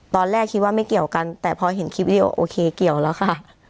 ตอนแรกคิดว่าไม่เกี่ยวกันแต่พอเห็นคลิปวิดีโอโอเคเกี่ยวแล้วค่ะ